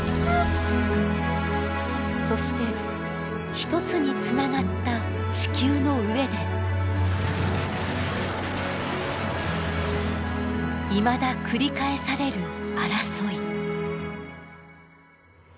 そして一つにつながった地球の上でいまだ繰り返される争い。